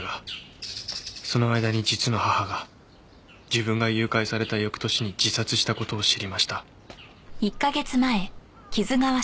その間に実の母が自分が誘拐された翌年に自殺した事を知りました。